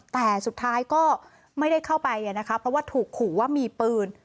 แต่สุดท้ายก็ไม่ได้เข้าไปนะคะเพราะว่าถูกขู่ว่ามีปืน